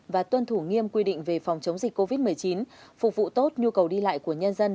và tuân thủ nghiêm quy định về phòng chống dịch covid một mươi chín phục vụ tốt nhu cầu đi lại của nhân dân